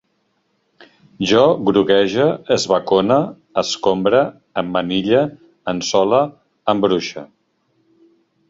Jo groguege, esbacone, escombre, emmanille, ensole, embruixe